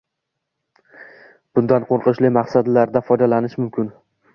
Bundan qoʻrqinchli maqsadlarda foydalanish mumkin